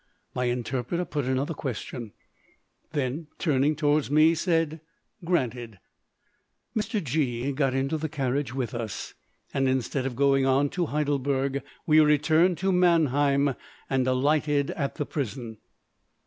My interpreter put another question, then, turning towards me, said, "Granted." Mr. G——got into the carriage with us, and instead of going on to Heidelberg, we returned to Mannheim, and alighted at the prison.